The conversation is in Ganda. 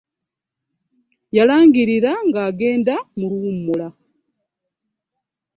Yalangirira ng'agenda mu luwummula.